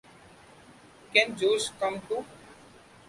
Can Josh come too?